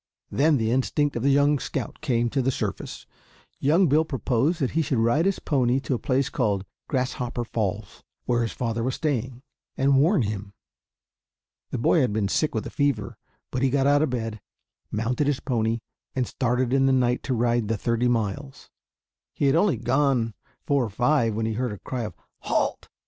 Then the instinct of the young scout came to the surface. Young Bill proposed that he should ride his pony to a place called Grasshopper Falls, where his father was staying, and warn him. The boy had been sick with a fever; but he got out of bed, mounted his pony, and started in the night to ride the thirty miles. He had only gone four or five when he heard a cry of, "Halt!"